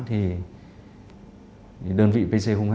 thì đơn vị pc hai